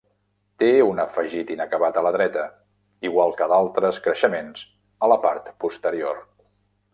Té un afegit inacabat a la dreta, igual que d'altres creixements a la part posterior.